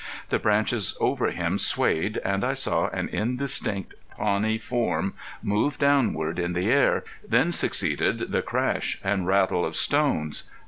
The branches over him swayed, and I saw an indistinct, tawny form move downward in the air. Then succeeded the crash and rattle of stones.